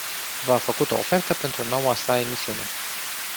V-a făcut o ofertă pentru noua sa emisiune.